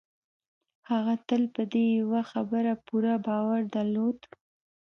هغه تل په دې يوه خبره پوره باور درلود.